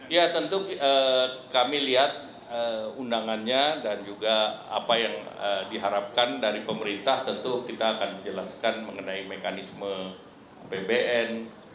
ya tentu kami lihat undangannya dan juga apa yang diharapkan dari pemerintah tentu kita akan menjelaskan mengenai mekanisme apbn